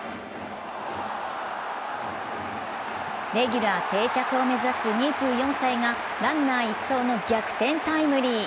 レギュラー定着を目指す２４歳がランナー一掃の逆転タイムリー。